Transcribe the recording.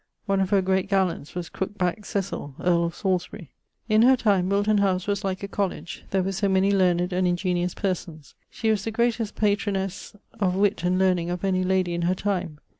One of her great gallants was crooke back't Cecill, earl of Salisbury. In her time Wilton house was like a College, there were so many learned and ingeniose persons. She was the greatest patronesse of witt and learning of any lady in her time.